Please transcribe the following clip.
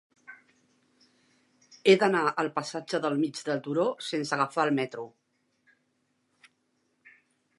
He d'anar al passatge del Mig del Turó sense agafar el metro.